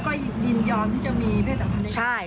ก็ยินยอมที่จะมีเพศจักรพนักฐาน